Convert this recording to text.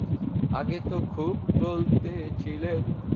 আগে তো খুব বলতেছিলেন?